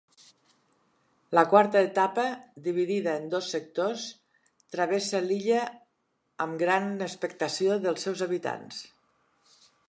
La quarta etapa, dividida en dos sectors, travessa l'illa amb gran expectació dels seus habitants.